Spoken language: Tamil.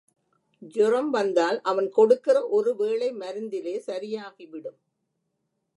ஜூரம் வந்தால் அவன் கொடுக்கிற ஒரு வேளை மருந்திலே சரியாகிவிடும்.